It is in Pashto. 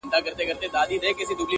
د په زړه کي اوښکي، د زړه ویني – ويني،